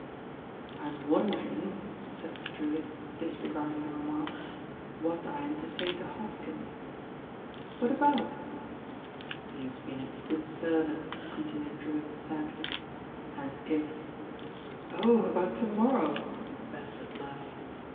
"I'm wondering," said Drewitt, disregarding the remark, "what I am to say to Hoskins?" "What about?" "He's been a good servant," continued Drewitt ladly, "and if " "Oh I about to morrow," Bcresford laughed.